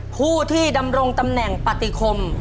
ผู้ที่ดำรงตำแหน่งปฏิคม